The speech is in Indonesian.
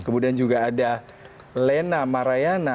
kemudian juga ada lena marayana